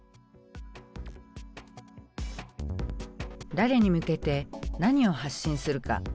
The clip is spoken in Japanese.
誰に向けて何を発信するか。